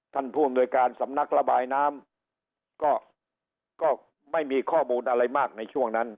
ท่านผู้โดยการสำนักระบายน้ำก็ไม่มีข้อมูลอะไรมากเลย